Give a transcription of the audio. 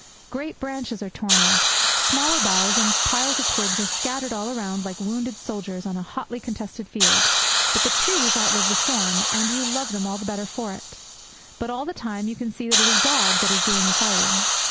Great branches are torn off; smaller boughs and piles of twigs are scattered all around like wounded soldiers on a hotly contested field; but the trees outlive the storm, and you love them all the better for it. But, all the time, you can see that it is Gog that is doing the fighting.